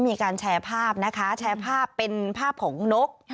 มีการแชร์ภาพนะคะแชร์ภาพเป็นภาพของนก